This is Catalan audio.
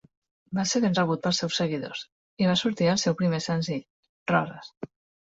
Va ser ben rebut pels seus seguidors, i va sortir el seu primer senzill, "Roses".